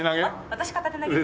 私片手投げです。